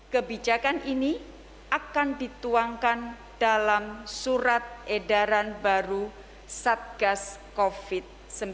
kebijakan ini akan dituangkan dalam surat edaran baru satgas covid sembilan belas